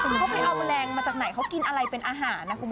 เขาไปเอาแมลงมาจากไหนเขากินอะไรเป็นอาหารนะคุณผู้ชม